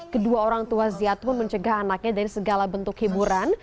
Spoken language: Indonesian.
kedua orang tua ziad pun mencegah anaknya dari segala bentuk hiburan